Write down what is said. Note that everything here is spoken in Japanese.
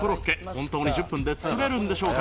本当に１０分で作れるんでしょうか？